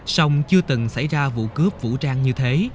song chưa từng xảy ra vụ cướp vũ trang như thế